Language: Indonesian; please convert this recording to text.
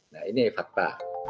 nah ini fakta